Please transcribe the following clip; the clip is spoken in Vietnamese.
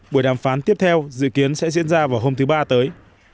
buổi đàm phán tiếp theo dự kiến sẽ diễn ra vào hôm thứ ba tới